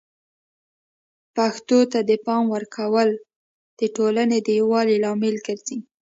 پښتو ته د پام ورکول د ټولنې د یووالي لامل ګرځي.